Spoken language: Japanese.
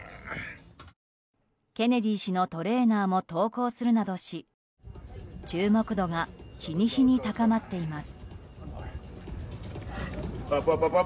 ケネディ氏のトレーナーも投稿するなどし注目度が日に日に高まっています。